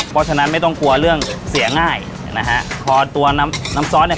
เพราะฉะนั้นไม่ต้องกลัวเรื่องเสียง่ายนะฮะพอตัวน้ำน้ำซอสเนี่ย